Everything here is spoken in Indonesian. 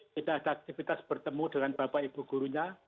tidak ada aktivitas bertemu dengan bapak ibu gurunya